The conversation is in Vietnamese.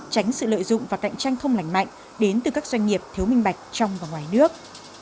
tránh sự lợi dụng và cạnh tranh không lành mạnh đến từ các doanh nghiệp thiếu minh bạch trong và ngoài nước